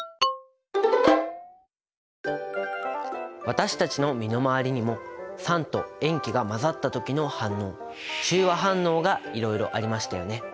私たちの身の回りにも酸と塩基が混ざった時の反応中和反応がいろいろありましたよね。